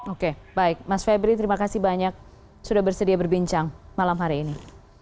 oke baik mas febri terima kasih banyak sudah bersedia berbincang malam hari ini